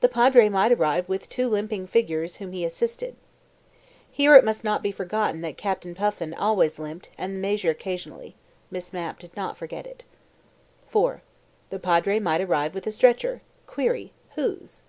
The Padre might arrive with two limping figures whom he assisted. Here it must not be forgotten that Captain Puffin always limped, and the Major occasionally. Miss Mapp did not forget it. IV. The Padre might arrive with a stretcher. Query Whose?